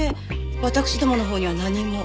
私どものほうには何も。